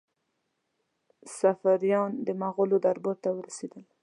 سفیران د مغولو دربار ته ورسېدل.